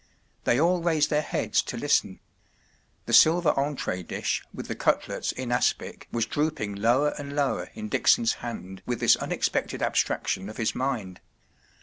They all raised their heads to listen. The silver entree dish with the cutlets in aspic was drooping lower and lower in Dickson’s hand with this unexpected abstraction of his mind.